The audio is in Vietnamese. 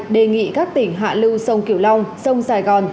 đề nghị các tỉnh hạ lưu sông kiểu long sông sài gòn